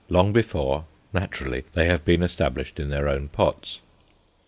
Long before, naturally, they have been established in their own pots.